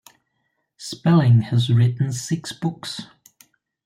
Spelling has written six books.